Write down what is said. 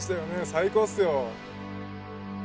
最高っすよ！